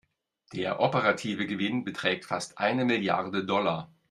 Der operative Gewinn beträgt fast eine Milliarde Dollar.